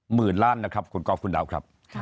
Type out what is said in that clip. หมื่นล้านนะครับขอบคุณครับ